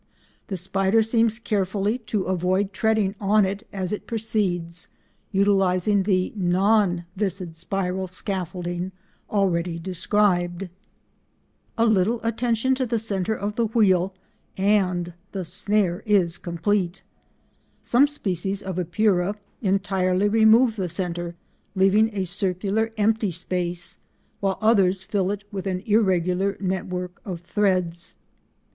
The spider seems carefully to avoid treading on it as it proceeds, utilising the non viscid spiral scaffolding already described. [Illustration: Fig. 3. Stretching the viscid spiral.] A little attention to the centre of the wheel, and the snare is complete. Some species of Epeira entirely remove the centre, leaving a circular empty space, while others fill it with an irregular network of threads.